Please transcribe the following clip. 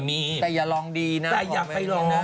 พี่ปุ้ยลูกโตแล้ว